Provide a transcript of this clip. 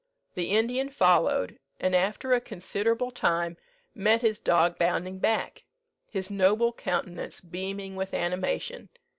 The Indian followed, and after a considerable time met his dog bounding back, his noble countenance beaming with animation.